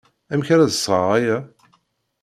Amek ara d-sɣeɣ aya?